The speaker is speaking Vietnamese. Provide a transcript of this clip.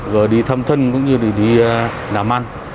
rồi đi thăm thân cũng như đi làm ăn